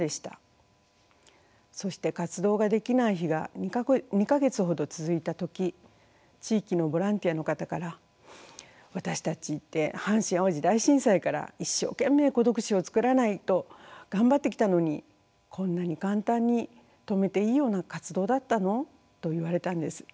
そして活動ができない日が２か月ほど続いた時地域のボランティアの方から「私たちって阪神・淡路大震災から一生懸命孤独死を作らないと頑張ってきたのにこんなに簡単に止めていいような活動だったの？」と言われたんです。